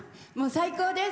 最高です！